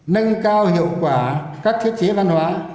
nâng cao hiệu quả các thiết chế văn hóa